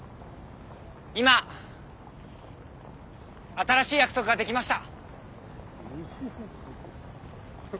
今新しい約束ができました